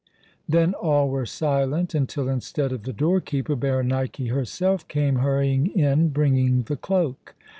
Then all were silent until, instead of the doorkeeper, Berenike herself came hurrying in, bringing the cloak.